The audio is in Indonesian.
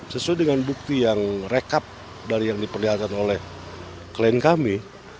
sesuai dengan bukti yang rekap dari yang diperlihatkan oleh klien kami